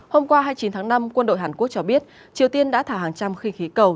hôm qua hai mươi chín tháng năm quân đội hàn quốc cho biết triều tiên đã thả hàng trăm khinh khí cầu